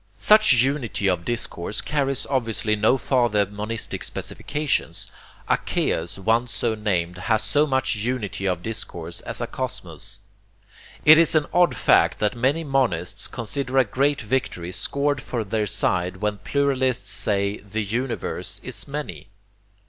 Such unity of discourse carries obviously no farther monistic specifications. A 'chaos,' once so named, has as much unity of discourse as a cosmos. It is an odd fact that many monists consider a great victory scored for their side when pluralists say 'the universe is many.'